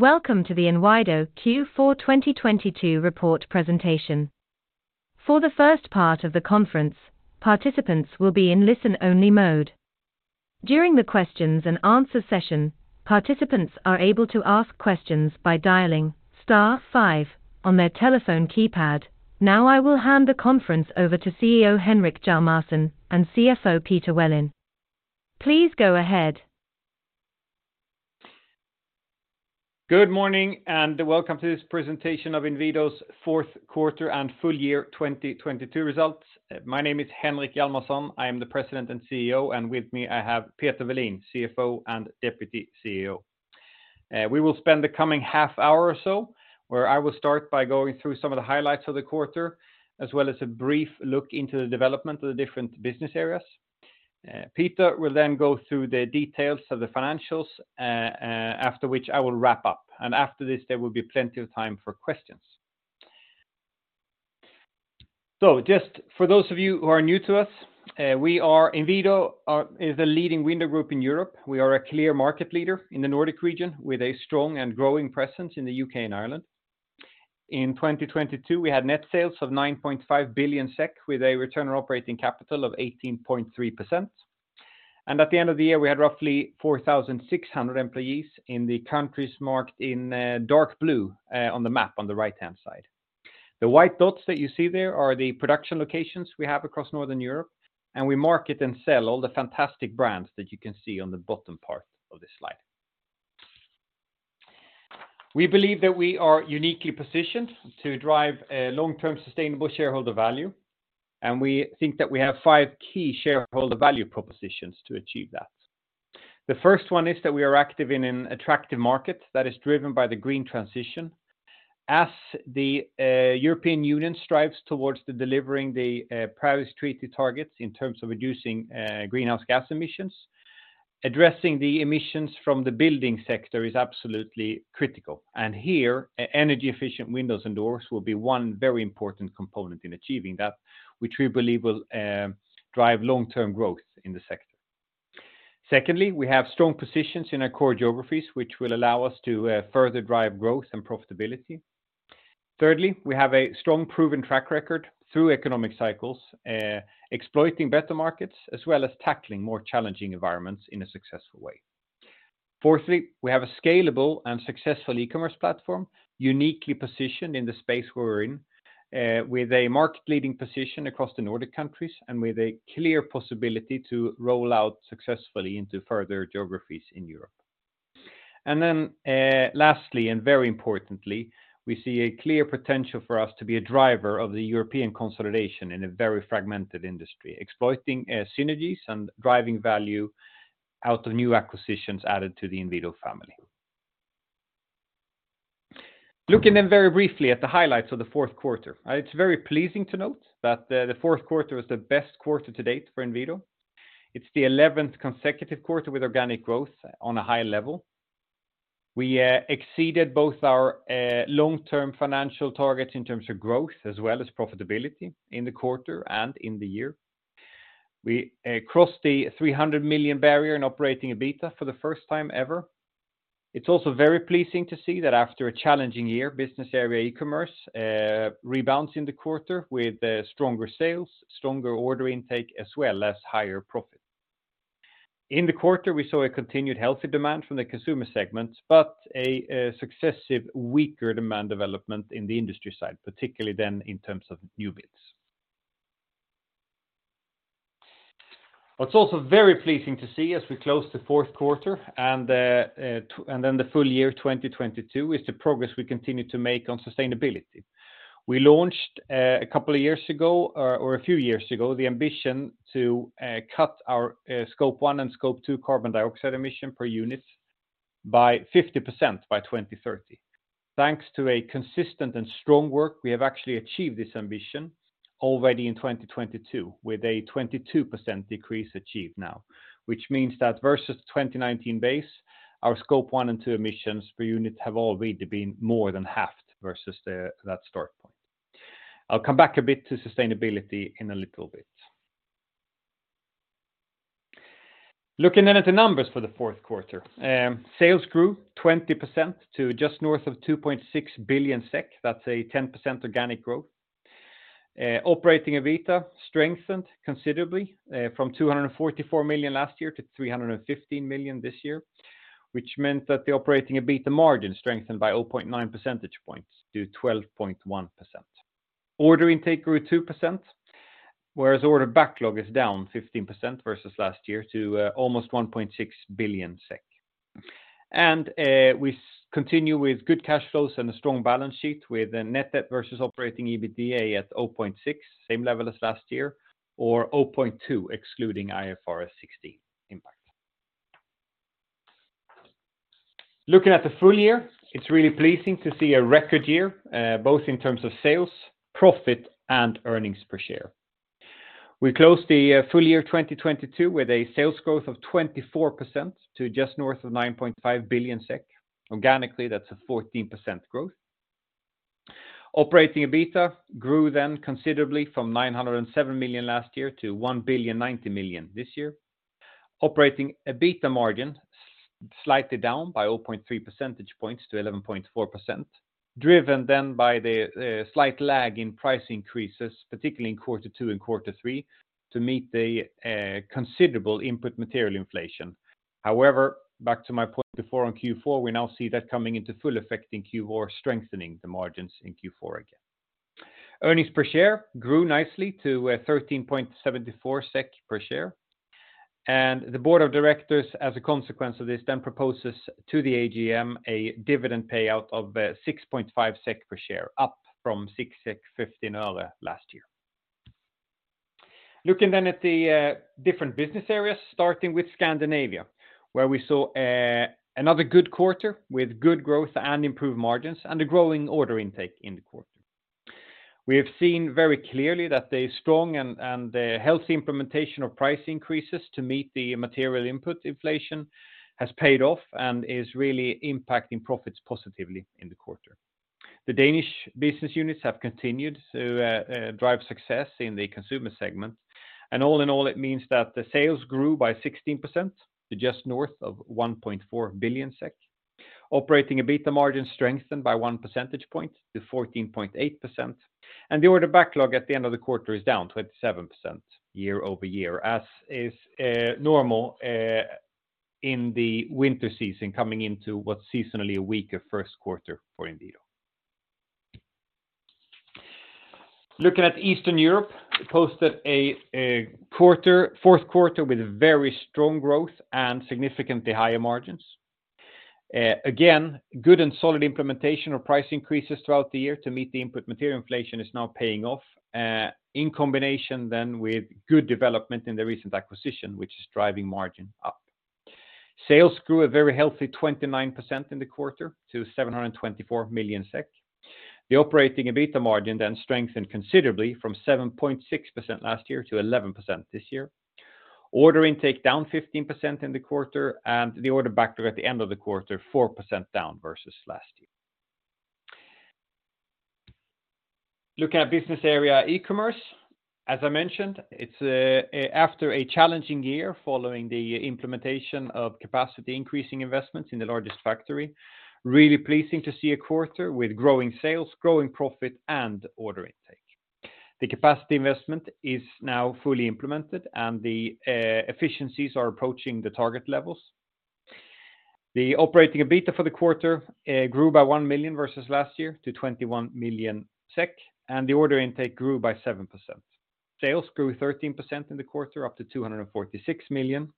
Welcome to the Inwido Q4 2022 report presentation. For the first part of the conference, participants will be in listen-only mode. During the questions-and-answer session, participants are able to ask questions by dialing star five on their telephone keypad. Now I will hand the conference over to CEO Henrik Hjalmarsson and CFO Peter Welin. Please go ahead. Good morning, welcome to this presentation of Inwido's fourth quarter and full-year 2022 results. My name is Henrik Hjalmarsson. I am the President and CEO, and with me, I have Peter Welin, CFO and deputy CEO. We will spend the coming half hour or so where I will start by going through some of the highlights of the quarter, as well as a brief look into the development of the different business areas. Peter will then go through the details of the financials, after which I will wrap up. After this, there will be plenty of time for questions. Just for those of you who are new to us, Inwido is the leading window group in Europe. We are a clear market leader in the Nordic region with a strong and growing presence in the U.K. and Ireland. In 2022, we had net sales of 9.5 billion SEK with a return on operating capital of 18.3%. At the end of the year, we had roughly 4,600 employees in the countries marked in dark blue on the map on the right-hand side. The white dots that you see there are the production locations we have across Northern Europe, and we market and sell all the fantastic brands that you can see on the bottom part of this slide. We believe that we are uniquely positioned to drive long-term sustainable shareholder value, and we think that we have five key shareholder value propositions to achieve that. The first one is that we are active in an attractive market that is driven by the green transition. As the European Union strives towards delivering the Paris Agreement targets in terms of reducing greenhouse gas emissions, addressing the emissions from the building sector is absolutely critical. Here, energy-efficient windows and doors will be one very important component in achieving that, which we believe will drive long-term growth in the sector. Secondly, we have strong positions in our core geographies, which will allow us to further drive growth and profitability. Thirdly, we have a strong proven track record through economic cycles, exploiting better markets as well as tackling more challenging environments in a successful way. Fourthly, we have a scalable and successful e-commerce platform uniquely positioned in the space we're in, with a market-leading position across the Nordic countries and with a clear possibility to roll out successfully into further geographies in Europe. Lastly, and very importantly, we see a clear potential for us to be a driver of the European consolidation in a very fragmented industry, exploiting synergies and driving value out of new acquisitions added to the Inwido family. Looking then very briefly at the highlights of the fourth quarter. It's very pleasing to note that the fourth quarter was the best quarter to date for Inwido. It's the 11th consecutive quarter with organic growth on a high level. We exceeded both our long-term financial targets in terms of growth as well as profitability in the quarter and in the year. We crossed the 300 million barrier in operating EBITDA for the first time ever. It's also very pleasing to see that after a challenging year, business area e-commerce rebounds in the quarter with stronger sales, stronger order intake, as well as higher profit. In the quarter, we saw a continued healthy demand from the consumer segments, but a successive weaker demand development in the industry side, particularly then in terms of new bids. What's also very pleasing to see as we close the fourth quarter and the full year 2022, is the progress we continue to make on sustainability. We launched a couple of years ago, or a few years ago, the ambition to cut our Scope 1 and Scope 2 carbon dioxide emission per unit by 50% by 2030. Thanks to a consistent and strong work, we have actually achieved this ambition already in 2022, with a 22% decrease achieved now, which means that versus 2019 base, our Scope 1 and Scope 2 carbon dioxide emissions per unit have already been more than halved versus that start point. I'll come back a bit to sustainability in a little bit. Looking at the numbers for the fourth quarter. Sales grew 20% to just north of 2.6 billion SEK. That's a 10% organic growth. Operating EBITDA strengthened considerably from 244 million last year to 315 million this year, which meant that the operating EBITDA margin strengthened by 0.9 percentage points to 12.1%. Order intake grew 2%, whereas order backlog is down 15% versus last year to almost 1.6 billion SEK. We continue with good cash flows and a strong balance sheet with a net debt versus operating EBITDA at 0.6x, same level as last year, or 0.2x, excluding IFRS 16 impact. Looking at the full year, it's really pleasing to see a record year, both in terms of sales, profit, and earnings per share. We closed the full year 2022 with a sales growth of 24% to just north of 9.5 billion SEK. Organically, that's a 14% growth. Operating EBITDA grew considerably from 907 million last year to 1.09 billion this year. Operating EBITDA margin slightly down by 0.3 percentage points to 11.4%, driven then by the slight lag in price increases, particularly in Q2 and Q3, to meet the considerable input material inflation. However, back to my point before on Q4, we now see that coming into full effect in Q4, strengthening the margins in Q4 again. Earnings per share grew nicely to 13.74 SEK per share, and the board of directors, as a consequence of this, then proposes to the AGM a dividend payout of 6.5 SEK per share, up from 6.15 SEK last year. Looking at the different business areas, starting with Scandinavia, where we saw another good quarter with good growth and improved margins and a growing order intake in the quarter. We have seen very clearly that the strong and the healthy implementation of price increases to meet the material input inflation has paid off and is really impacting profits positively in the quarter. The Danish business units have continued to drive success in the consumer segment. All in all, it means that the sales grew by 16% to just north of 1.4 billion SEK. Operating EBITDA margin strengthened by one percentage point to 14.8%. The order backlog at the end of the quarter is down 27% year-over-year, as is normal in the winter season coming into what's seasonally a weaker first quarter for Inwido. Looking at Eastern Europe, it posted a fourth quarter with very strong growth and significantly higher margins. Again, good and solid implementation of price increases throughout the year to meet the input material inflation is now paying off, in combination with good development in the recent acquisition, which is driving margin up. Sales grew a very healthy 29% in the quarter to 724 million SEK. The operating EBITDA margin strengthened considerably from 7.6% last year to 11% this year. Order intake down 15% in the quarter. The order backlog at the end of the quarter, 4% down versus last year. Looking at business area e-commerce, as I mentioned, it's after a challenging year following the implementation of capacity increasing investments in the largest factory, really pleasing to see a quarter with growing sales, growing profit, and order intake. The capacity investment is now fully implemented and the efficiencies are approaching the target levels. The operating EBITDA for the quarter grew by 1 million versus last year to 21 million SEK, and the order intake grew by 7%. Sales grew 13% in the quarter, up to 246 million.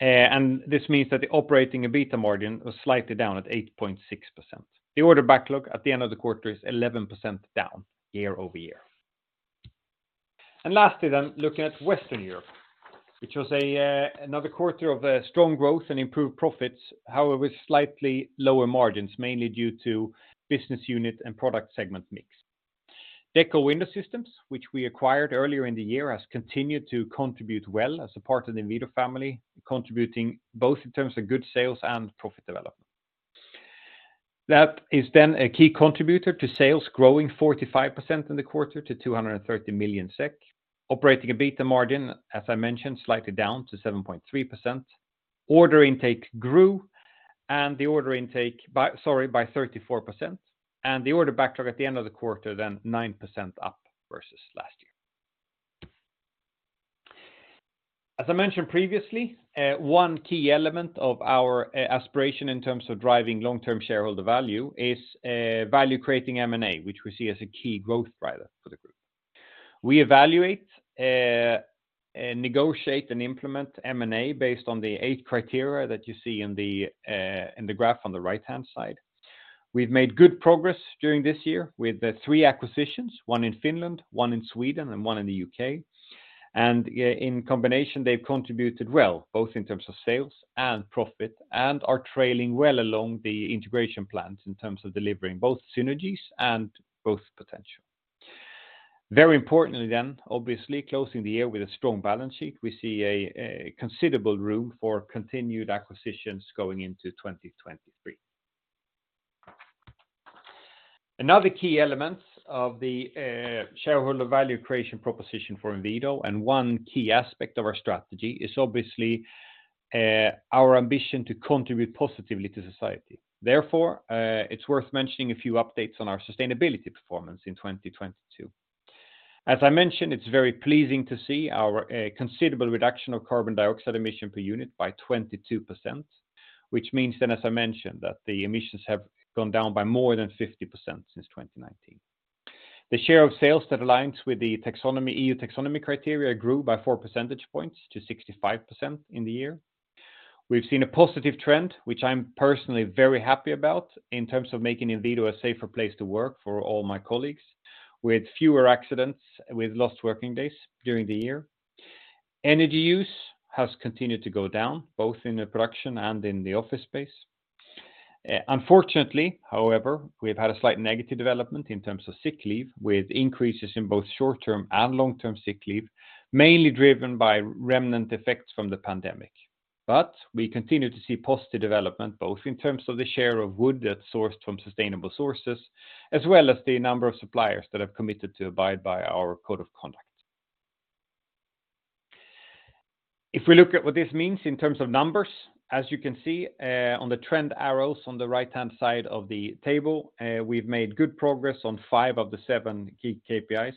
This means that the operating EBITDA margin was slightly down at 8.6%. The order backlog at the end of the quarter is 11% down year-over-year. Lastly then, looking at Western Europe, which was a another quarter of strong growth and improved profits, however, with slightly lower margins, mainly due to business unit and product-segment mix. Dekko Window Systems, which we acquired earlier in the year, has continued to contribute well as a part of the Inwido family, contributing both in terms of good sales and profit development. That is then a key contributor to sales growing 45% in the quarter to 230 million SEK. Operating EBITDA margin, as I mentioned, slightly down to 7.3%. Order intake grew by 34%. The order backlog at the end of the quarter then 9% up versus last year. As I mentioned previously, one key element of our aspiration in terms of driving long-term shareholder value is value creating M&A, which we see as a key growth driver for the group. We evaluate, negotiate, and implement M&A based on the eight criteria that you see in the graph on the right-hand side. We've made good progress during this year with the three acquisitions, one in Finland, one in Sweden, and one in the UK. In combination, they've contributed well, both in terms of sales and profit, and are trailing well along the integration plans in terms of delivering both synergies and both potential. Very importantly then, obviously, closing the year with a strong balance sheet, we see a considerable room for continued acquisitions going into 2023. Another key element of the shareholder value creation proposition for Inwido and one key aspect of our strategy is obviously, our ambition to contribute positively to society. Therefore, it's worth mentioning a few updates on our sustainability performance in 2022. As I mentioned, it's very pleasing to see our considerable reduction of carbon dioxide emission per unit by 22%, which means then, as I mentioned, that the emissions have gone down by more than 50% since 2019. The share of sales that aligns with the EU taxonomy criteria grew by four percentage points to 65% in the year. We've seen a positive trend, which I'm personally very happy about in terms of making Inwido a safer place to work for all my colleagues with fewer accidents, with lost working days during the year. Energy use has continued to go down, both in the production and in the office space. Unfortunately, however, we've had a slight negative development in terms of sick leave, with increases in both short-term and long-term sick leave, mainly driven by remnant effects from the pandemic. We continue to see positive development, both in terms of the share of wood that's sourced from sustainable sources, as well as the number of suppliers that have committed to abide by our code of conduct. If we look at what this means in terms of numbers, as you can see, on the trend arrows on the right-hand side of the table, we've made good progress on five of the seven key KPIs.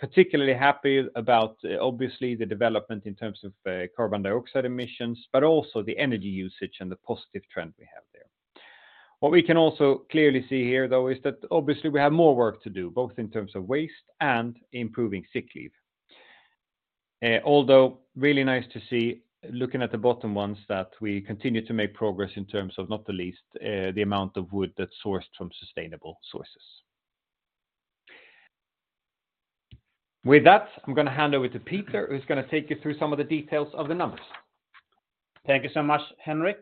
Particularly happy about obviously the development in terms of carbon dioxide emissions, but also the energy usage and the positive trend we have there. What we can also clearly see here, though, is that obviously we have more work to do, both in terms of waste and improving sick leave. Although really nice to see, looking at the bottom ones, that we continue to make progress in terms of not the least, the amount of wood that's sourced from sustainable sources. With that, I'm gonna hand over to Peter, who's gonna take you through some of the details of the numbers. Thank you so much, Henrik.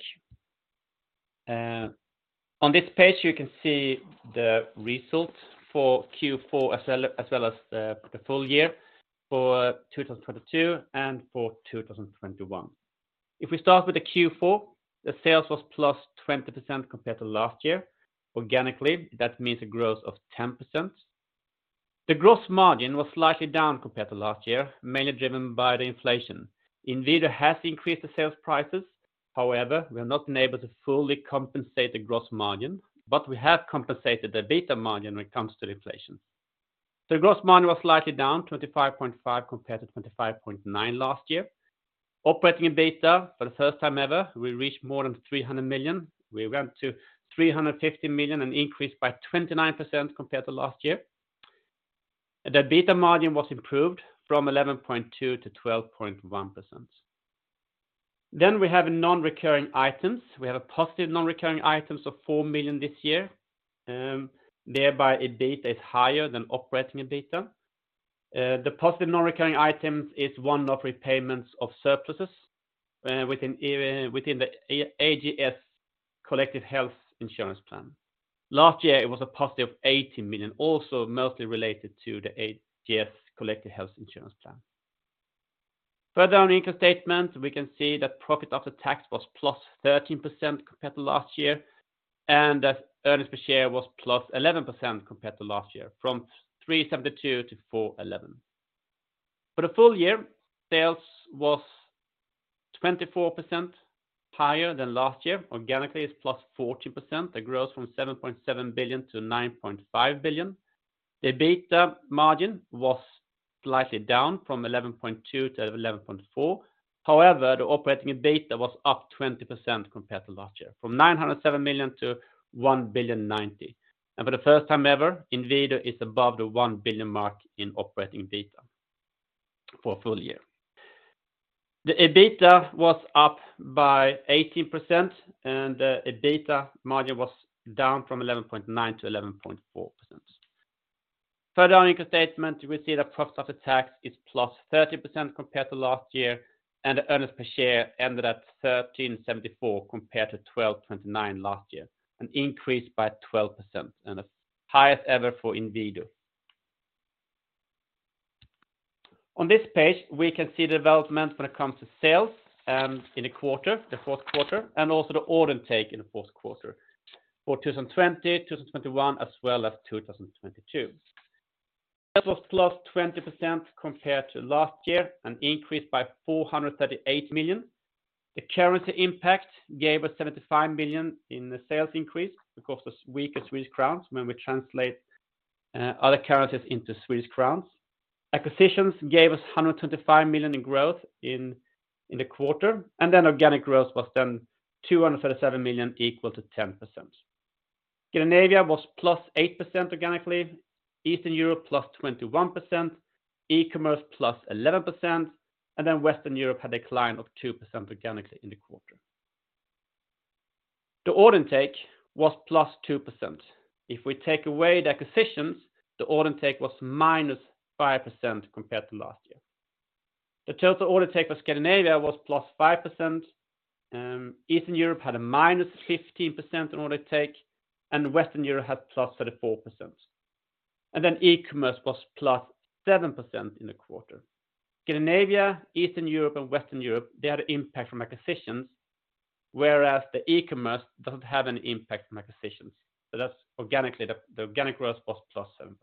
On this page, you can see the results for Q4 as well, as well as the full year for 2022 and for 2021. If we start with the Q4, the sales were up 20% compared to last year. Organically, that means a growth of 10%. The gross margin was slightly down compared to last year, mainly driven by the inflation. Inwido has increased the sales prices. However, we have not been able to fully compensate the gross margin, but we have compensated the EBITA margin when it comes to the inflation. The gross margin was slightly down to 25.5%, compared to 25.9% last year. Operating EBITDA for the first time ever, we reached more than 300 million. We went to 350 million, an increase by 29% compared to last year. The EBITDA margin was improved from 11.2% to 12.1%. We have non-recurring items. We have a positive non-recurring items of 4 million this year, thereby EBITDA is higher than operating EBITDA. The positive non-recurring items is one of repayments of surpluses within the AGS Collective Health Insurance plan. Last year, it was a positive 80 million, also mostly related to the AGS Collective Health Insurance plan. Further on income statement, we can see that profit after tax was 13% compared to last year, and that earnings per share was 11% compared to last year, from 3.72 to 4.11. For the full year, sales was 24% higher than last year. Organically, it's 14%. The growth from 7.7 billion to 9.5 billion. The EBITDA margin was slightly down from 11.2% to 11.4%. The operating EBITDA was up 20% compared to last year, from 907 million to 1.09 billion. For the first time ever, Inwido is above the 1 billion mark in operating EBITDA for a full year. The EBITDA was up by 18% and the EBITDA margin was down from 11.9% to 11.4%. Further on income statement, we see the profits after tax is 30% higher compared to last year, and the earnings per share ended at 13.74 compared to 12.29 last year, an increase by 12% and the highest ever for Inwido. On this page, we can see the development when it comes to sales, in a quarter, the fourth quarter, and also the order intake in the fourth quarter for 2020, 2021, as well as 2022. That were up 20% compared to last year, an increase by 438 million. The currency impact gave us 75 million in the sales increase because of weaker Swedish crowns when we translate other currencies into Swedish crowns. Acquisitions gave us 125 million in growth in the quarter, and then organic growth was then 237 million equal to 10%. Scandinavia was +8% organic growth, Eastern Europe 21%, e-commerce 11%, and then Western Europe had a decline of 2% organically in the quarter. The order intake was up 2%. If we take away the acquisitions, the order intake declined 5% compared to last year. The total order intake for Scandinavia was up 5%, Eastern Europe declined 15% in order intake, and Western Europe grew 34%. e-commerce was up 7% in the quarter. Scandinavia, Eastern Europe, and Western Europe, they had impact from acquisitions, whereas the e-commerce doesn't have any impact from acquisitions. the organic growth was 7%.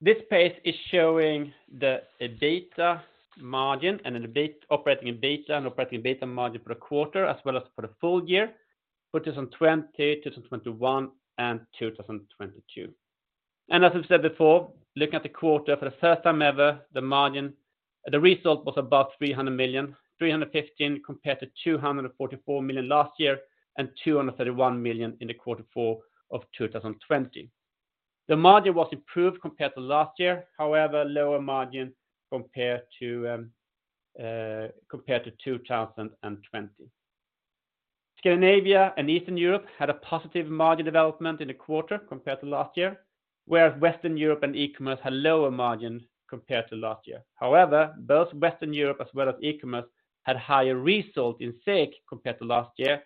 This page is showing the EBITDA margin and then the operating EBITDA and operating EBITDA margin for the quarter as well as for the full year, for 2020, 2021, and 2022. As I said before, looking at the quarter for the first time ever, the margin, the result was above 300 million, 315 compared to 244 million last year and 231 million in the Q4 of 2020. The margin was improved compared to last year. However, lower margin compared to compared to 2020. Scandinavia and Eastern Europe had a positive margin development in the quarter compared to last year, whereas Western Europe and e-commerce had lower margin compared to last year. Both Western Europe as well as e-commerce had higher result in SEK compared to last year,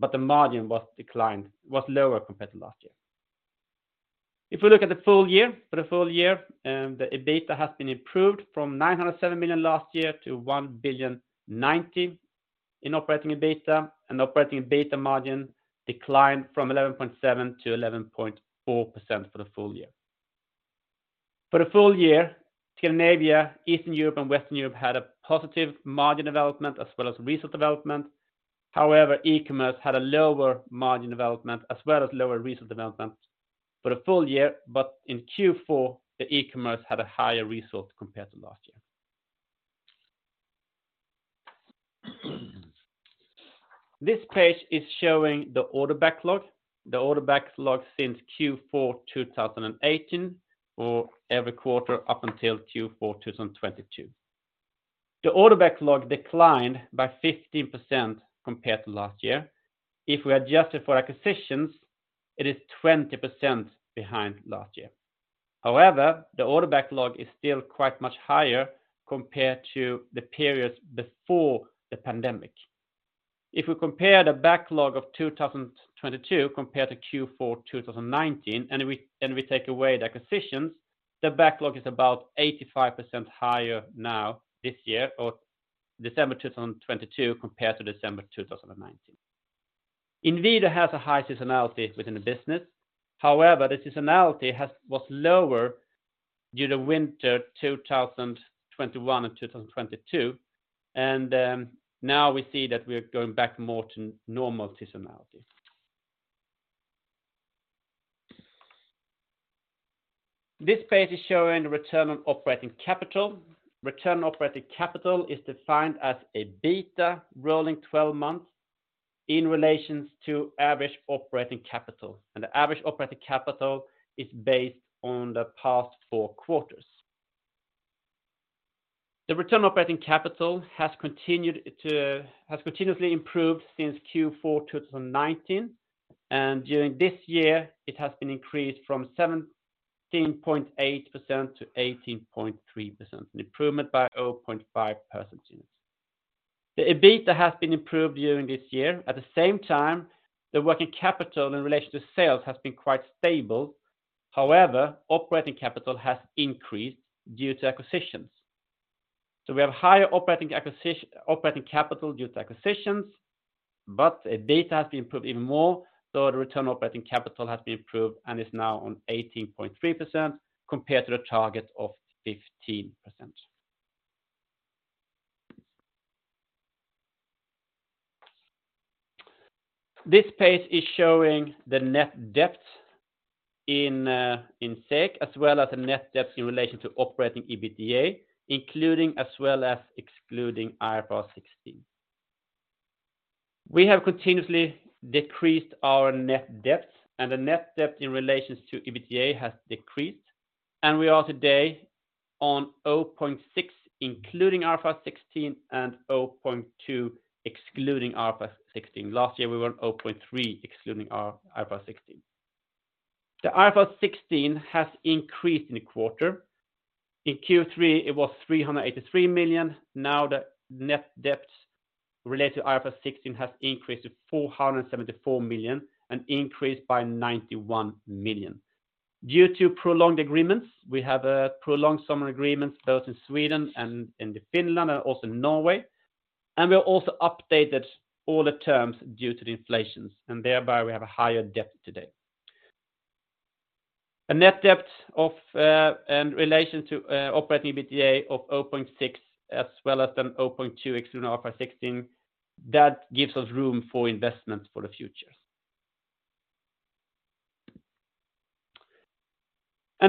but the margin was lower compared to last year. If we look at the full year, for the full year, the EBITA has been improved from 907 million last year to 1,090 million in operating EBITA, and operating EBITA margin declined from 11.7% to 11.4% for the full year. For the full year, Scandinavia, Eastern Europe, and Western Europe had a positive margin development as well as result development. e-commerce had a lower margin development as well as lower result development for the full year. In Q4, the e-commerce had a higher result compared to last year. This page is showing the order backlog. The order backlog since Q4 2018, or every quarter up until Q4, 2022. The order backlog declined by 15% compared to last year. If we adjust it for acquisitions, it is 20% behind last year. The order backlog is still quite much higher compared to the periods before the pandemic. If we compare the backlog of 2022 compared to Q4, 2019, and we take away the acquisitions, the backlog is about 85% higher now this year, or December 2022 compared to December 2019. Inwido has a high seasonality within the business. The seasonality was lower due to winter 2021 and 2022. Now we see that we are going back more to normal seasonality. This page is showing the return on operating capital. Return on operating capital is defined as EBITA rolling 12 months in relation to average operating capital. The average operating capital is based on the past four quarters. The return on operating capital has continuously improved since Q4, 2019, during this year, it has been increased from 17.8% to 18.3%, an improvement by 0.5 percentage points. The EBITA has been improved during this year. At the same time, the working capital in relation to sales has been quite stable. However, operating capital has increased due to acquisitions. We have higher operating capital due to acquisitions, but the data has been improved even more, so the return operating capital has been improved and is now on 18.3% compared to the target of 15%. This page is showing the net debt in SEK, as well as the net debt in relation to operating EBITDA, including as well as excluding IFRS 16. We have continuously decreased our net debt, and the net debt in relations to EBITDA has decreased. We are today on 0.6x, including IFRS 16, and 0.2x, excluding IFRS 16. Last year, we were on 0.3x, excluding our IFRS 16. The IFRS 16 has increased in the quarter. In Q3, it was 383 million. The net debt related to IFRS 16 has increased to 474 million, an increase by 91 million. Due to prolonged agreements, we have prolonged some agreements both in Sweden and in Finland and also Norway. We have also updated all the terms due to the inflation, thereby we have a higher debt today. A net debt in relation to operating EBITDA of 0.6x as well as 0.2x excluding IFRS 16, that gives us room for investment for the future.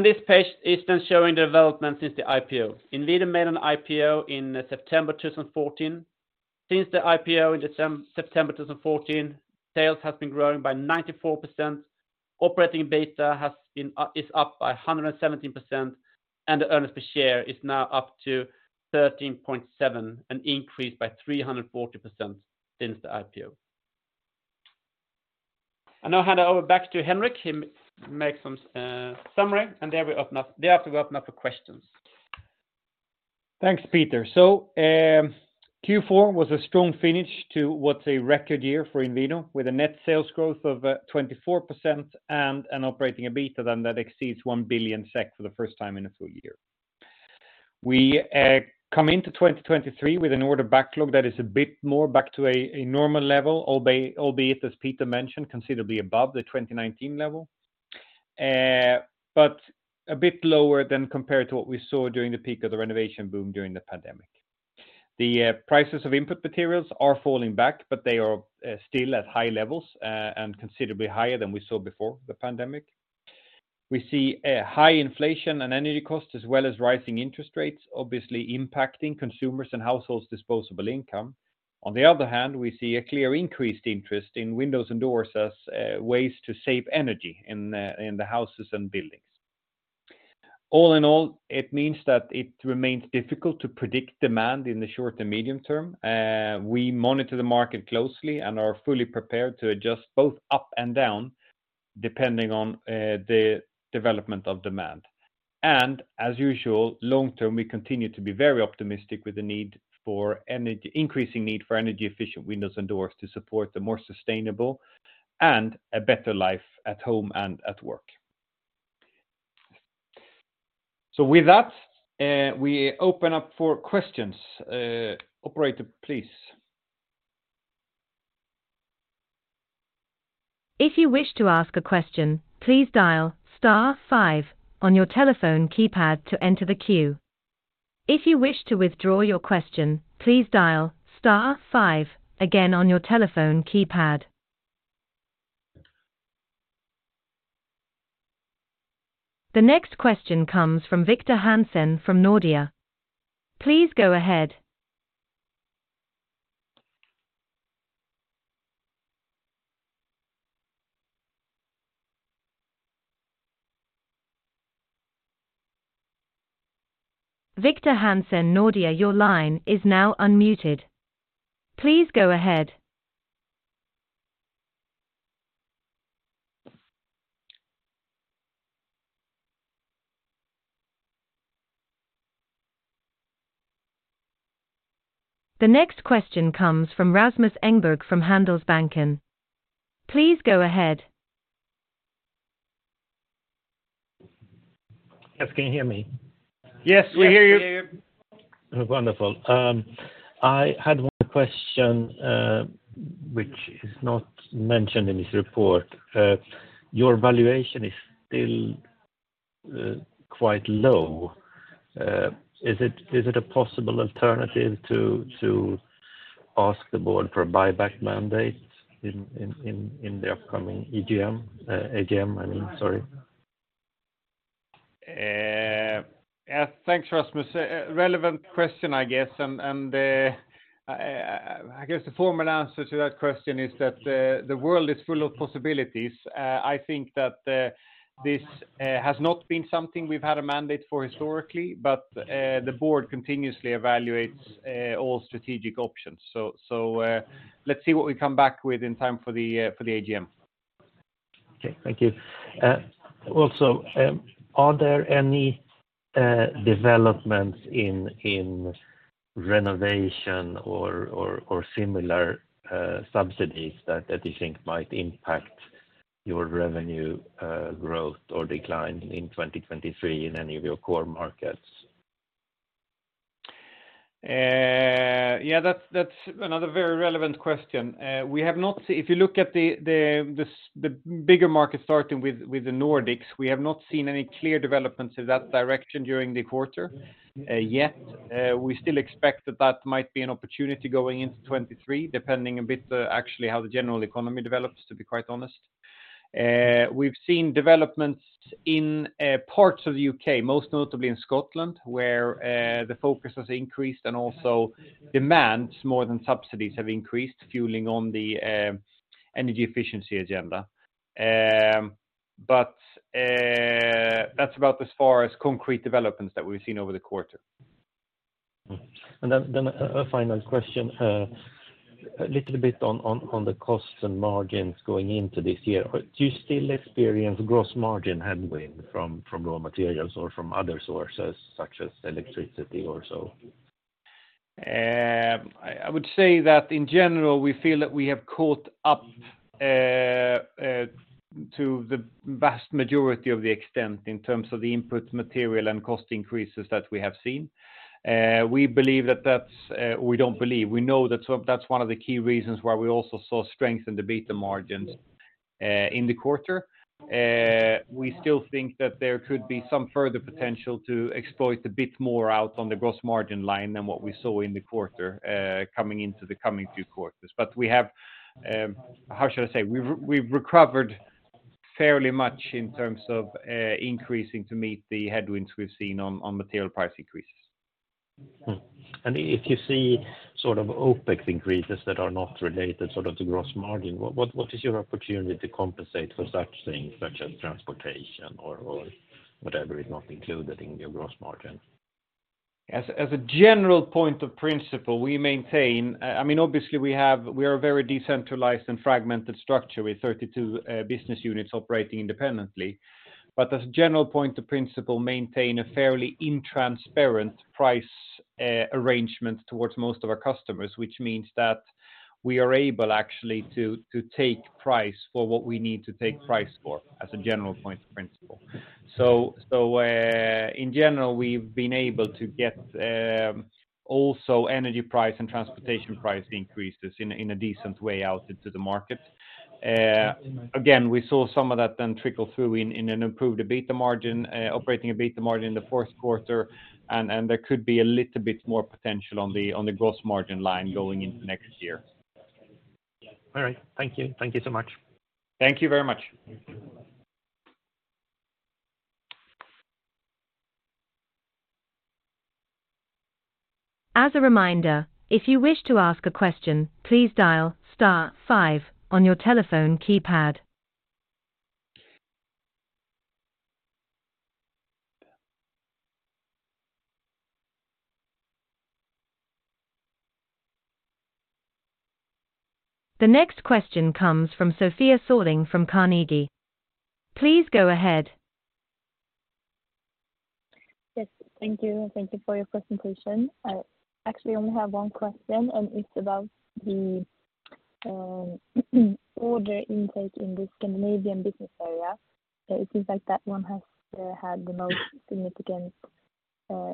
This page is then showing the development since the IPO. Inwido made an IPO in September 2014. Since the IPO in September 2014, sales has been growing by 94%. Operating EBITA has been is up by 117%, and the earnings per share is now up to 13.7, an increase by 340% since the IPO. I now hand over back to Henrik. He makes some summary, and thereafter we open up for questions. Thanks, Peter. Q4 was a strong finish to what's a record year for Inwido, with a net sales growth of 24% and an operating EBITA then that exceeds 1 billion SEK for the first time in a full year. We come into 2023 with an order backlog that is a bit more back to a normal level, albeit, as Peter mentioned, considerably above the 2019 level, but a bit lower than compared to what we saw during the peak of the renovation boom during the pandemic. The prices of input materials are falling back, but they are still at high levels and considerably higher than we saw before the pandemic. We see a high inflation and energy costs, as well as rising interest rates, obviously impacting consumers' and households' disposable income. On the other hand, we see a clear increased interest in windows and doors as ways to save energy in the, in the houses and buildings. All in all, it means that it remains difficult to predict demand in the short and medium term. We monitor the market closely and are fully prepared to adjust both up and down, depending on the development of demand. As usual, long term, we continue to be very optimistic with the increasing need for energy-efficient windows and doors to support the more sustainable and a better life at home and at work. With that, we open up for questions. Operator, please. If you wish to ask a question, please dial star five on your telephone keypad to enter the queue. If you wish to withdraw your question, please dial star five again on your telephone keypad. The next question comes from Julius Hansen from Nordea. Please go ahead. Julius Hansen, Nordea, your line is now unmuted. Please go ahead. The next question comes from Rasmus Engberg from Handelsbanken. Please go ahead. Yes. Can you hear me? Yes, we hear you. Wonderful. I had one question, which is not mentioned in this report. Your valuation is still quite low. Is it a possible alternative to ask the Board of Directors for a share buyback mandate in the upcoming AGM? Yeah. Thanks, Rasmus. Relevant question, I guess. I guess the formal answer to that question is that the world is full of possibilities. I think that, this, has not been something we've had a mandate for historically, but, the board continuously evaluates, all strategic options. Let's see what we come back with in time for the, for the AGM. Okay. Thank you. Also, are there any developments in renovation or similar subsidies that you think might impact your revenue growth or decline in 2023 in any of your core markets? Yeah, that's another very relevant question. We have not... If you look at the bigger markets, starting with the Nordics, we have not seen any clear developments in that direction during the quarter yet. We still expect that that might be an opportunity going into 2023, depending a bit actually how the general economy develops, to be quite honest. We've seen developments in parts of the U.K., most notably in Scotland, where the focus has increased and also demands more than subsidies have increased, fueling on the energy-efficiency agenda. That's about as far as concrete developments that we've seen over the quarter. A final question, a little bit on the costs and margins going into this year. Do you still experience gross margin headwind from raw materials or from other sources such as electricity or so? I would say that in general, we feel that we have caught up to the vast majority of the extent in terms of the input material and cost increases that we have seen. We know that that's one of the key reasons why we also saw strength in the EBITA margins in the quarter. We still think that there could be some further potential to exploit a bit more out on the gross margin line than what we saw in the quarter, coming into the coming few quarters. We have. How should I say? We've recovered fairly much in terms of increasing to meet the headwinds we've seen on material price increases. If you see sort of OpEx increases that are not related sort of to gross margin, what is your opportunity to compensate for such things such as transportation or whatever is not included in your gross margin? As a general point of principle, we maintain, I mean, obviously we are a very decentralized and fragmented structure with 32 business units operating independently. As a general point of principle, maintain a fairly intransparent price arrangement towards most of our customers, which means that we are able actually to take price for what we need to take price for as a general point of principle. In general, we've been able to get also energy price and transportation price increases in a decent way out into the market. Again, we saw some of that then trickle through in an improved EBITDA margin, operating EBITDA margin in the fourth quarter, and there could be a little bit more potential on the gross margin line going into next year. All right. Thank you. Thank you so much. Thank you very much. As a reminder, if you wish to ask a question, please dial star five on your telephone keypad. The next question comes from Sofia Sooliorou from Carnegie. Please go ahead. Yes, thank you, and thank you for your presentation. I actually only have one question, and it's about the order intake in the Scandinavian business area. It seems like that one has had the most significant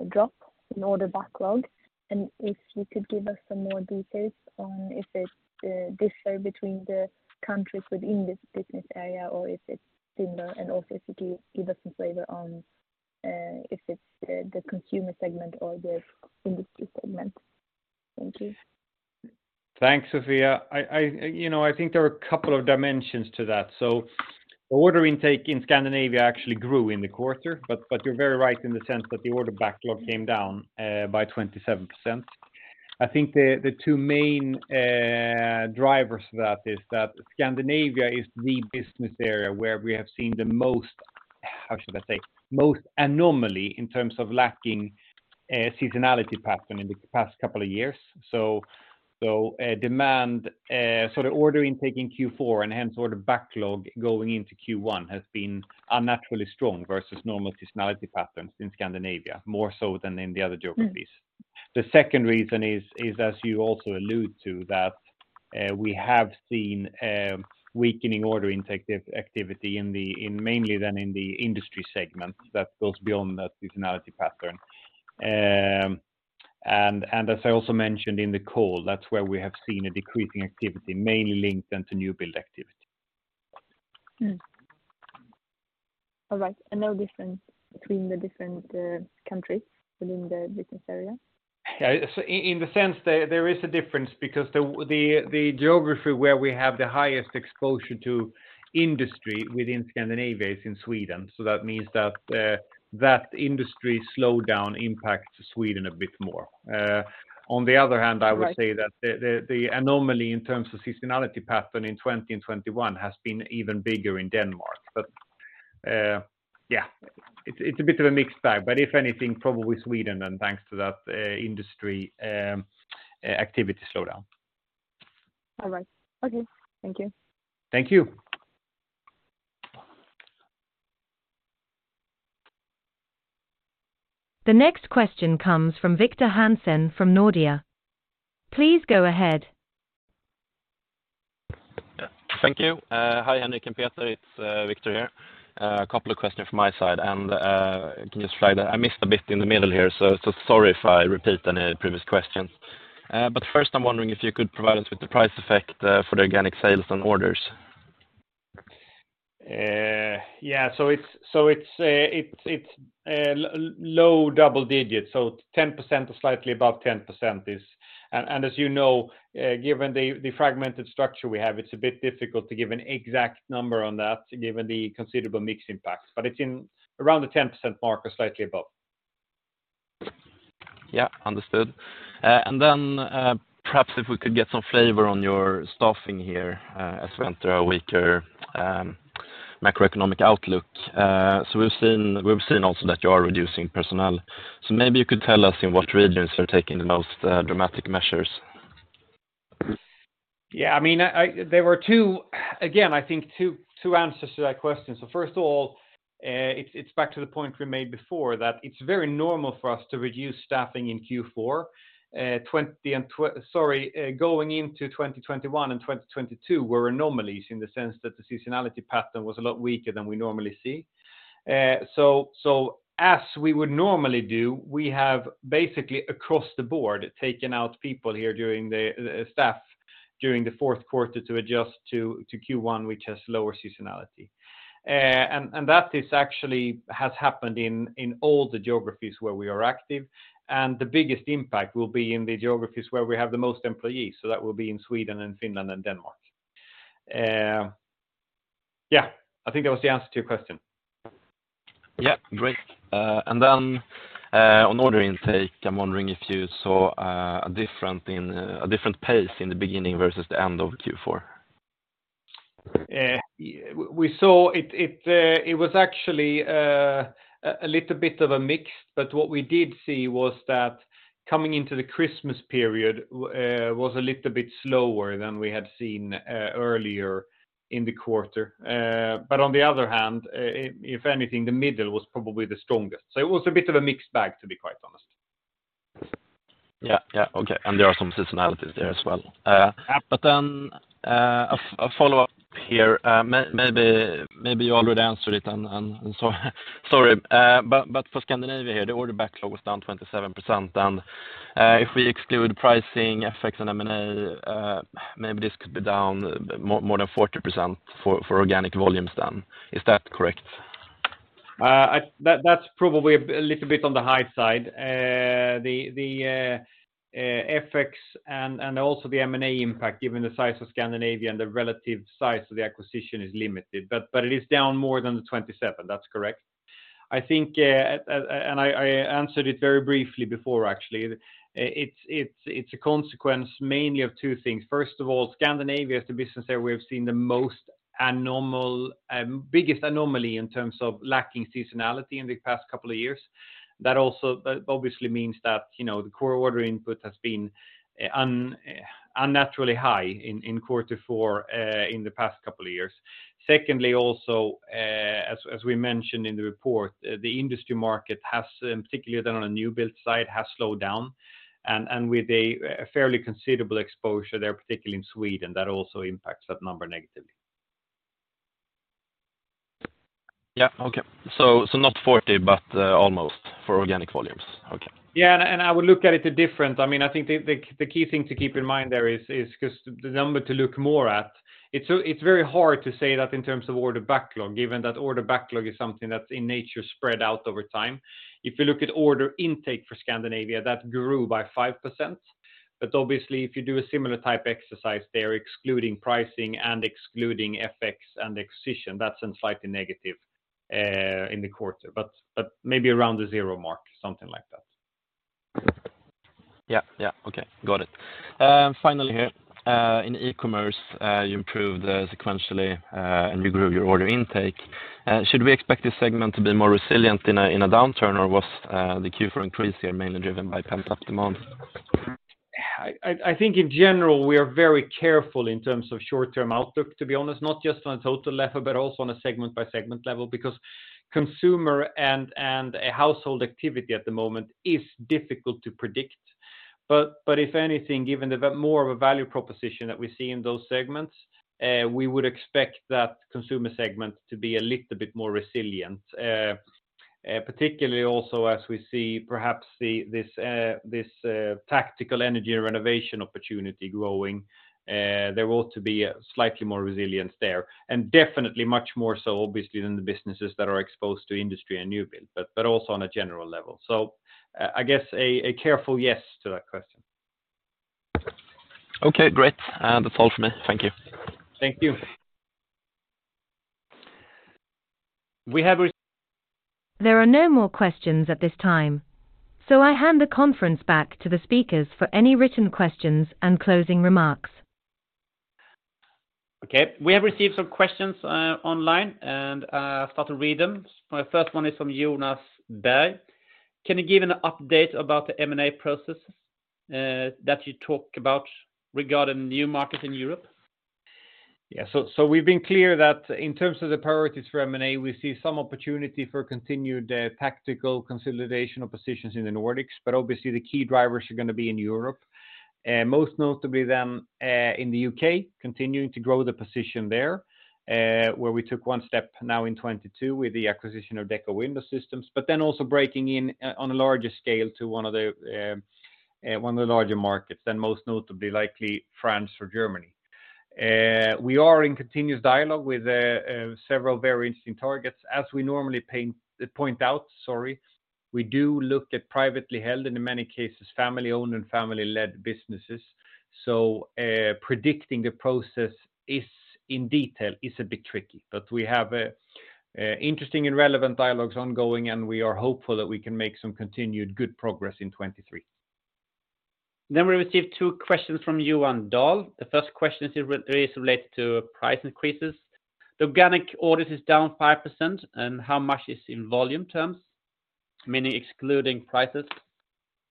drop in order backlog. If you could give us some more details on if it differ between the countries within this business area or if it's similar. Also if you could give us some flavor on if it's the consumer segment or the industry segment. Thank you. Thanks, Sofia. You know, I think there are a couple of dimensions to that. Order intake in Scandinavia actually grew in the quarter, but you're very right in the sense that the order backlog came down by 27%. I think the two main drivers for that is that Scandinavia is the business area where we have seen the most, how should I say, most anomaly in terms of lacking seasonality pattern in the past couple of years. The order intake in Q4, and hence order backlog going into Q1, has been unnaturally strong versus normal seasonality patterns in Scandinavia, more so than in the other geographies. Mm. The second reason is as you also allude to, that we have seen weakening order activity in mainly than in the industry segment that goes beyond that seasonality pattern. As I also mentioned in the call, that's where we have seen a decreasing activity, mainly linked into new build activity. All right. No difference between the different countries within the business area? Yeah. In the sense there is a difference because the geography where we have the highest exposure to industry within Scandinavia is in Sweden. That means that industry slowdown impacts Sweden a bit more. On the other hand. Right I would say that the anomaly in terms of seasonality pattern in 20 and 2021 has been even bigger in Denmark. Yeah, it's a bit of a mixed bag. If anything, probably Sweden then thanks to that industry activity slowdown. All right. Okay. Thank you. Thank you. The next question comes from Julius Hansen from Nordea. Please go ahead. Yeah. Thank you. Hi, Henrik and Peter. It's Julius here. A couple of questions from my side. I Can you flag that I missed a bit in the middle here, so sorry if I repeat any previous questions. First, I'm wondering if you could provide us with the price effect for the organic sales and orders. Yeah. It's low double digits, so 10% or slightly above 10% is. As you know, given the fragmented structure we have, it's a bit difficult to give an exact number on that, given the considerable mix impact. It's in around the 10% mark or slightly above. Understood. Perhaps if we could get some flavor on your staffing here, as we enter a weaker macroeconomic outlook. We've seen also that you are reducing personnel. Maybe you could tell us in what regions you're taking the most dramatic measures. Yeah, I mean, I. There are two answers to that question. First of all, it's back to the point we made before that it's very normal for us to reduce staffing in Q4. 20 and sorry, going into 2021 and 2022 were anomalies in the sense that the seasonality pattern was a lot weaker than we normally see. As we would normally do, we have basically across the board taken out people here during the staff during the fourth quarter to adjust to Q1, which has lower seasonality. And that is actually has happened in all the geographies where we are active, and the biggest impact will be in the geographies where we have the most employees. That will be in Sweden and Finland and Denmark. Yeah, I think that was the answer to your question. Yeah. Great. Then, on order intake, I'm wondering if you saw a different pace in the beginning versus the end of Q4? We saw it was actually a little bit of a mix. What we did see was that coming into the Christmas period was a little bit slower than we had seen earlier in the quarter. On the other hand, if anything, the middle was probably the strongest. It was a bit of a mixed bag, to be quite honest. Yeah. Yeah. Okay. There are some seasonalities there as well. Yeah ... A follow-up here, maybe you already answered it and so sorry. For Scandinavia here, the order backlog was down 27%. If we exclude pricing effects and M&A, maybe this could be down more than 40% for organic volumes then. Is that correct? That's probably a little bit on the high side. The FX and also the M&A impact, given the size of Scandinavia and the relative size of the acquisition is limited. It is down more than 27%. That's correct. I think, I answered it very briefly before actually. It's a consequence mainly of two things. First of all, Scandinavia is the business area we have seen the most abnormal, biggest anomaly in terms of lacking seasonality in the past couple of years. That also obviously means that, you know, the core order input has been unnaturally high in quarter four in the past couple of years. Secondly, also, as we mentioned in the report, the industry market has, particularly then on a new build site, slowed down. With a fairly considerable exposure there, particularly in Sweden, that also impacts that number negatively. Yeah. Okay. Not 40%, but almost for organic volumes. Okay. Yeah. I would look at it different. I mean, I think the key thing to keep in mind there is because the number to look more at. It's very hard to say that in terms of order backlog, given that order backlog is something that's in nature spread out over time. If you look at order intake for Scandinavia, that grew by 5%. Obviously, if you do a similar type exercise there, excluding pricing and excluding FX and acquisition, that's been slightly negative in the quarter, but maybe around the zero mark, something like that. Yeah. Yeah. Okay. Got it. Finally here, in e-commerce, you improved sequentially, and you grew your order intake. Should we expect this segment to be more resilient in a downturn, or was the Q4 increase here mainly driven by pent-up demand? I think in general, we are very careful in terms of short-term outlook, to be honest, not just on a total level, but also on a segment by segment level, because consumer and household activity at the moment is difficult to predict. If anything, given the more of a value proposition that we see in those segments, we would expect that consumer segment to be a little bit more resilient. Particularly also as we see perhaps the, this tactical energy renovation opportunity growing, there ought to be slightly more resilience there, and definitely much more so obviously than the businesses that are exposed to industry and new build, also on a general level. I guess a careful yes to that question. Okay, great. That's all for me. Thank you. Thank you. We have re- There are no more questions at this time. I hand the conference back to the speakers for any written questions and closing remarks. Okay. We have received some questions online, I'll start to read them. My first one is from Jonas Berg. Can you give an update about the M&A process that you talked about regarding new markets in Europe? We've been clear that in terms of the priorities for M&A, we see some opportunity for continued tactical consolidation of positions in the Nordics, obviously the key drivers are going to be in Europe, most notably in the U.K., continuing to grow the position there, where we took one step now in 2022 with the acquisition of Dekko Window Systems, also breaking in on a larger scale to one of the larger markets, most notably, likely France or Germany. We are in continuous dialogue with several very interesting targets. As we normally point out, sorry, we do look at privately held and in many cases, family-owned and family-led businesses. Predicting the process is, in detail, is a bit tricky. We have interesting and relevant dialogues ongoing, and we are hopeful that we can make some continued good progress in 2023. We received two questions from Johan Dahl. The first question is related to price increases. The organic orders is down 5%, how much is in volume terms, meaning excluding prices?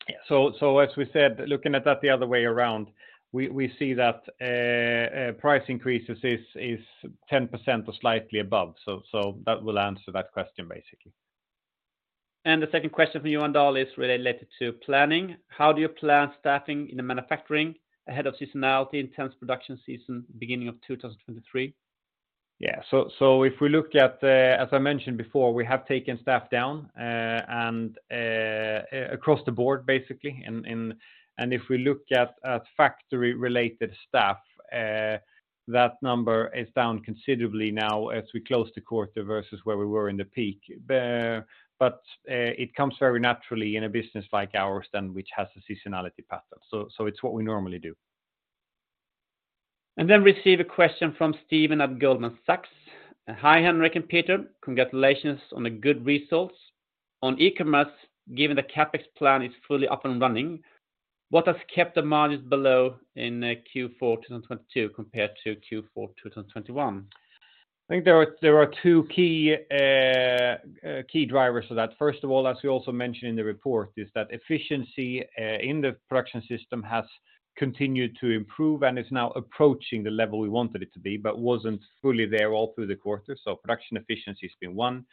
As we said, looking at that the other way around, we see that price increases is 10% or slightly above. That will answer that question, basically. The second question from Johan Dahl is related to planning. How do you plan staffing in the manufacturing ahead of seasonality, intense production season, beginning of 2023? If we look at, as I mentioned before, we have taken staff down, and across the board, basically. If we look at factory-related staff, that number is down considerably now as we close the quarter versus where we were in the peak. It comes very naturally in a business like ours then which has a seasonality pattern. It's what we normally do. Then receive a question from Stephen at Goldman Sachs. Hi, Henrik and Peter. Congratulations on the good results. On e-commerce, given the CapEx plan is fully up and running, what has kept the margins below in Q4 2022 compared to Q4 2021? I think there are two key drivers to that. First of all, as we also mentioned in the report, is that efficiency in the production system has continued to improve and is now approaching the level we wanted it to be, but wasn't fully there all through the quarter. Production efficiency has been one.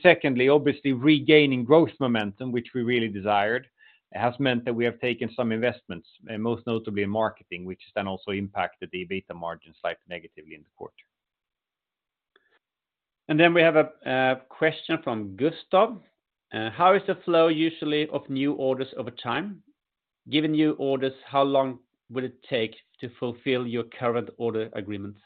Secondly, obviously, regaining growth momentum, which we really desired, has meant that we have taken some investments, most notably in marketing, which then also impacted the EBITA margin slightly negatively in the quarter. We have a question from Gustav. How is the flow usually of new orders over time? Given new orders, how long will it take to fulfill your current order agreements?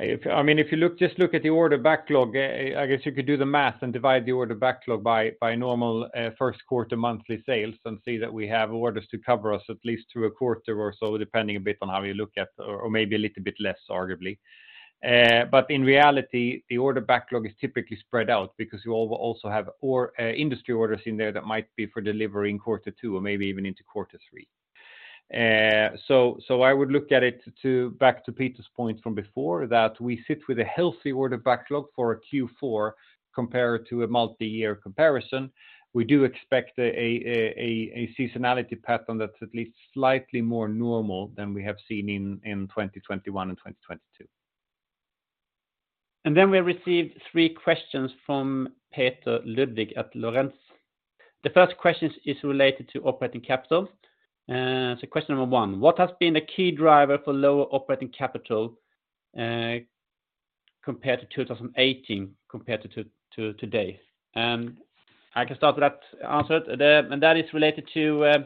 I mean, if you look, just look at the order backlog, I guess you could do the math and divide the order backlog by normal first quarter monthly sales and see that we have orders to cover us at least through a quarter or so, depending a bit on how you look at or maybe a little bit less, arguably. In reality, the order backlog is typically spread out because you also have industry orders in there that might be for delivery in quarter two or maybe even into quarter three. I would look at it to back to Peter's point from before, that we sit with a healthy order backlog for a Q4 compared to a multi-year comparison. We do expect a, a seasonality pattern that's at least slightly more normal than we have seen in 2021 and 2022. Then we received three questions from Peter Ludwig at ODDO BHF. The first question is related to operating capital. So question number one: what has been the key driver for lower operating capital compared to 2018, compared to today? I can start with that answer. That is related to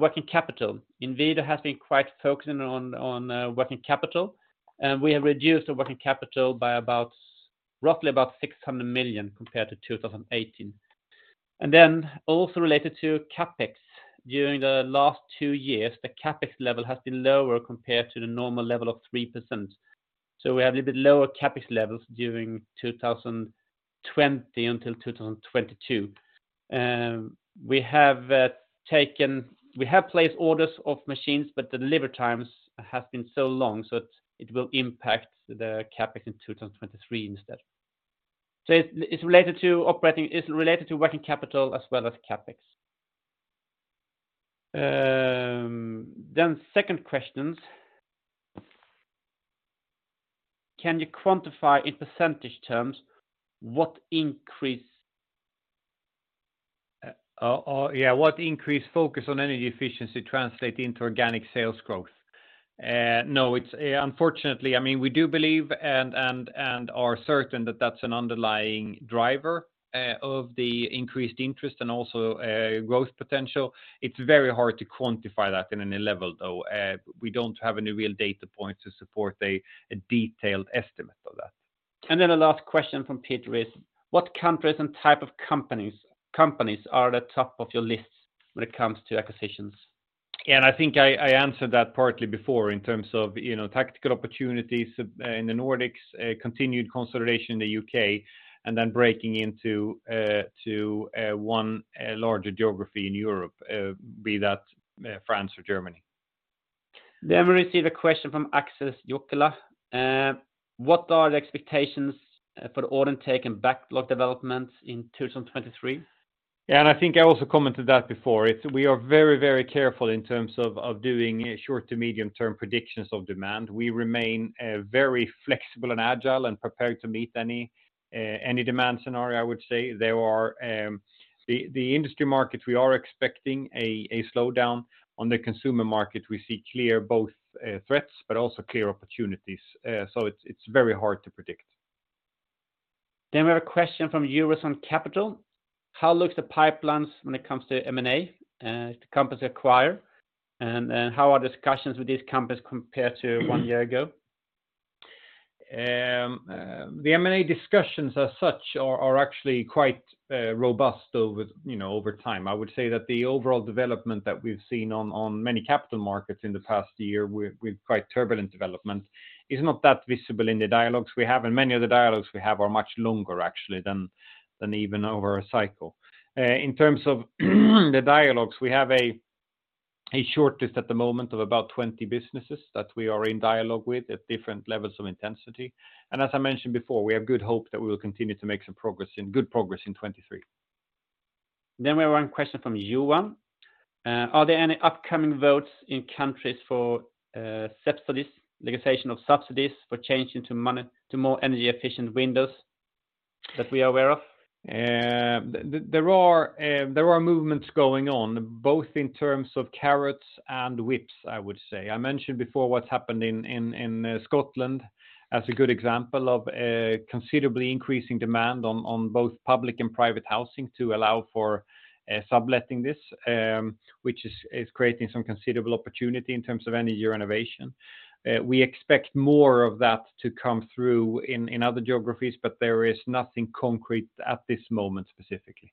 working capital. Inwido has been quite focusing on working capital, and we have reduced the working capital by about roughly about 600 million compared to 2018. Then also related to CapEx. During the last two years, the CapEx level has been lower compared to the normal level of 3%. We have a bit lower CapEx levels during 2020 until 2022. We have placed orders of machines, but the delivery times have been so long, so it will impact the CapEx in 2023 instead. It's related to operating, it's related to working capital as well as CapEx. Second questions: can you quantify in percentage terms what increase... Yeah, what increased focus on energy-efficiency translate into organic sales growth? No, it's, unfortunately, I mean, we do believe and are certain that that's an underlying driver of the increased interest and also growth potential. It's very hard to quantify that in any level, though. We don't have any real data points to support a detailed estimate of that. The last question from Peter is, what countries and type of companies are at the top of your list when it comes to acquisitions? Yeah, I think I answered that partly before in terms of, you know, tactical opportunities of in the Nordics, continued consolidation in the U.K., and then breaking into one larger geography in Europe, be that France or Germany. We receive a question from Aksel Engebakken. What are the expectations, for the order take and backlog developments in 2023? I think I also commented that before. We are very, very careful in terms of doing short to medium term predictions of demand. We remain very flexible and agile and prepared to meet any demand scenario, I would say. There are the industry markets, we are expecting a slowdown. On the consumer market, we see clear both threats, but also clear opportunities. It's very hard to predict. We have a question from Julius Ståhlberg. How looks the pipelines when it comes to M&A? If the company acquire, and how are discussions with this company compared to one year ago? The M&A discussions as such are actually quite robust over, you know, over time. I would say that the overall development that we've seen on many capital markets in the past year with quite turbulent development is not that visible in the dialogues we have, and many of the dialogues we have are much longer actually than even over a cycle. In terms of the dialogues, we have a short list at the moment of about 20 businesses that we are in dialogue with at different levels of intensity. As I mentioned before, we have good hope that we will continue to make some progress in, good progress in 2023. We have 1 question from Johan. Are there any upcoming votes in countries for subsidies, legislation of subsidies for changing to more energy efficient windows that we are aware of? There are movements going on both in terms of carrots and whips, I would say. I mentioned before what's happened in Scotland as a good example of considerably increasing demand on both public and private housing to allow for subletting this, which is creating some considerable opportunity in terms of energy renovation. We expect more of that to come through in other geographies, but there is nothing concrete at this moment, specifically.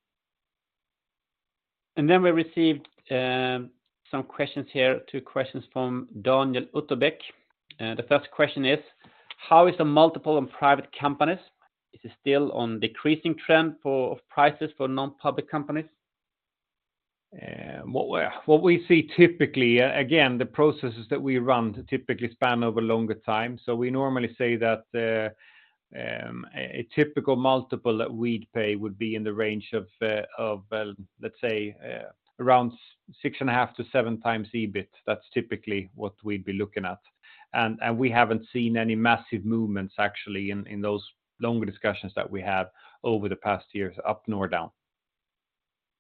We received, some questions here, two questions from Daniel Wetterberg. The first question is: How is the multiple and private companies? Is it still on decreasing trend for prices for non-public companies? What we see typically, again, the processes that we run typically span over longer time. We normally say that a typical multiple that we'd pay would be in the range of around 6.5x-7x EBIT. That's typically what we'd be looking at. We haven't seen any massive movements actually in those longer discussions that we have over the past years, up nor down.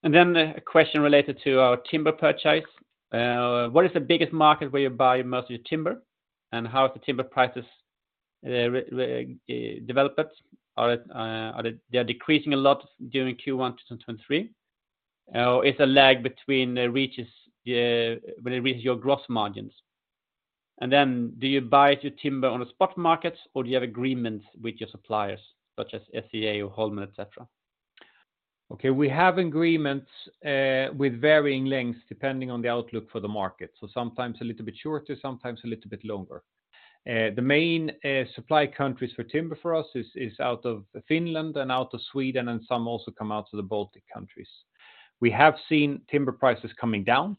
A question related to our timber purchase. What is the biggest market where you buy most of your timber? How is the timber prices developed? Are they decreasing a lot during Q1 2023? Or is a lag between the reaches when it reaches your gross margins? Do you buy your timber on the spot markets or do you have agreements with your suppliers such as SCA or Holmen, etc? Okay, we have agreements with varying lengths depending on the outlook for the market. Sometimes a little bit shorter, sometimes a little bit longer. The main supply countries for timber for us is out of Finland and out of Sweden, and some also come out of the Baltic countries. We have seen timber prices coming down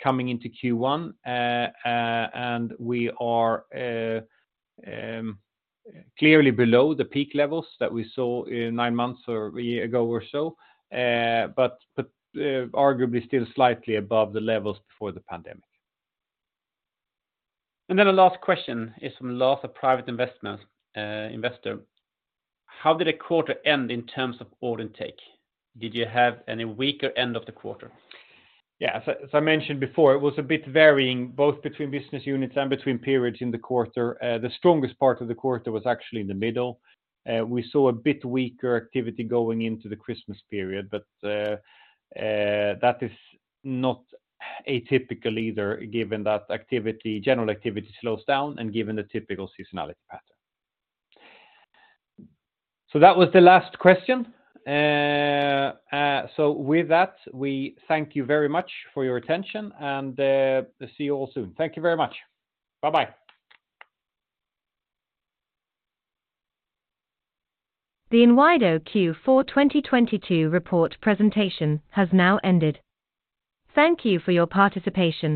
coming into Q1, and we are clearly below the peak levels that we saw nine months or a year ago or so, but arguably still slightly above the levels before the pandemic. The last question is from Lars, a private investment investor. How did the quarter end in terms of order intake? Did you have any weaker end of the quarter? Yeah. As I mentioned before, it was a bit varying both between business units and between periods in the quarter. The strongest part of the quarter was actually in the middle. We saw a bit weaker activity going into the Christmas period, but that is not atypical either, given that general activity slows down and given the typical seasonality pattern. That was the last question. With that, we thank you very much for your attention, and see you all soon. Thank you very much. Bye-bye. The Inwido Q4 2022 report presentation has now ended. Thank you for your participation.